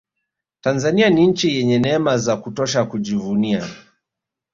tanzania ni nchi yenye neema za kutosha kujivunia